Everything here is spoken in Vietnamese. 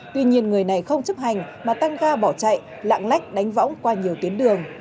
tuy nhiên người này không chấp hành mà tăng ga bỏ chạy lạng lách đánh võng qua nhiều tuyến đường